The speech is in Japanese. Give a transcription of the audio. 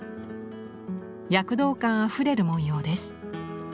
躍動感あふれる文様です。